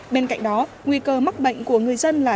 bên cạnh đó nguy cơ mắc bệnh của người dân là